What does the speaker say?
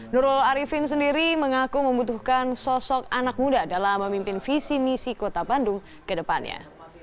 nurul arifin sendiri mengaku membutuhkan sosok anak muda dalam memimpin visi misi kota bandung ke depannya